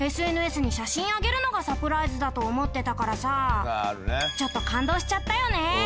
ＳＮＳに写真上げるのがサプライズだと思ってたからさちょっと感動しちゃったよね。